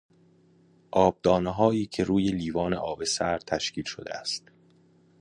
آبدانههایی که روی لیوان آب سرد تشکیل شده است